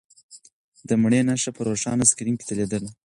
د مڼې نښه په روښانه سکرین کې ځلېدله.